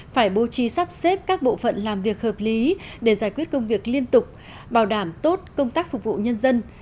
phải bố trí sắp xếp các bộ phận làm việc hợp lý để giải quyết công việc liên tục bảo đảm tốt công tác phục vụ nhân dân